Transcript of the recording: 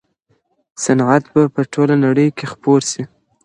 صنعت به په ټوله نړۍ کي خپور سي.